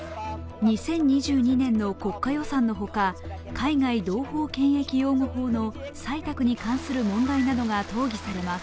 ２０２２年の国家予算のほか海外同胞権益擁護法の採択に関する問題などが討議されます。